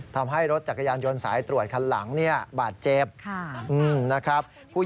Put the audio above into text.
ทำให้รถจักรยานยนต์สายตรวจคันหลังบาดเจ็บ